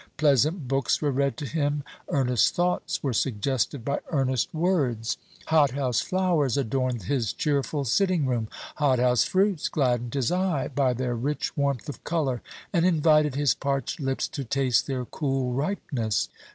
Pleasant books were read to him; earnest thoughts were suggested by earnest words; hothouse flowers adorned his cheerful sitting room; hothouse fruits gladdened his eye by their rich warmth of colour, and invited his parched lips to taste their cool ripeness.